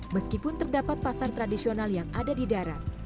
meskipun terdapat pasar tradisional yang ada di darat